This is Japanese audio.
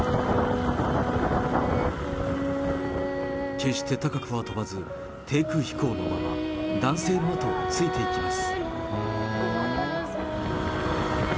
決して高くは飛ばず、低空飛行のまま、男性の後をついていきます。